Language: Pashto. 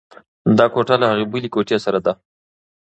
دا کوټه له هغې بلې کوټې سړه ده.